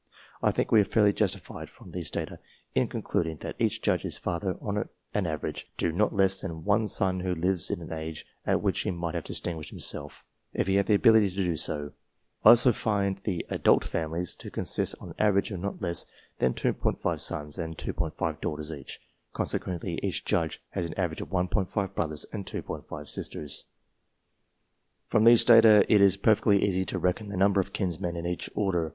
I think we are fairly justified, from these data, in concluding that each judge is father, on an average, to not less than one son who lives to an age at which he might have distin guished himself, if he had the ability to do so. I also find the (adult) families to consist on an average of not less than 2| sons and 2J daughters each, conse quently each judge has an average of 1^ brothers and 2J sisters. From these data it is perfectly easy to reckon the number of kinsmen in each order.